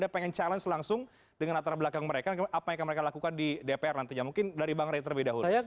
pernahkah kalian menjawab